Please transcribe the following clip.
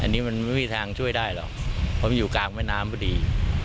อันนี้มันไม่มีทางช่วยได้หรอกเพราะมันอยู่กลางแม่น้ำพอดี